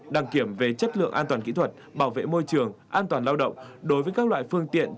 đăng kiểm về chất lượng an toàn kỹ thuật bảo vệ môi trường an toàn lao động đối với các loại phương tiện